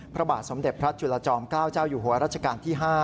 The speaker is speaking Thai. พระบาทสมเด็จพระจุลจอมเกล้าเจ้าอยู่หัวรัชกาลที่๕